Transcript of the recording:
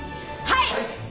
はい。